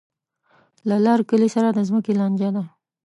له لر کلي سره د ځمکې لانجه ده.